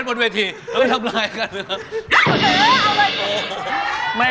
เฮ่ยเอาไป